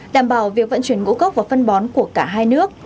đảm bảo việc vận chuyển ngũ cốc và phân bón của cả hai nước